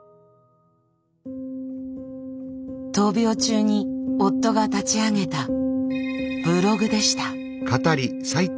闘病中に夫が立ち上げたブログでした。